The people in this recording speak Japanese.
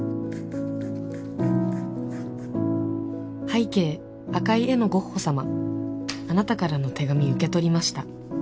拝啓赤い絵のゴッホ様あなたからの手紙受け取りました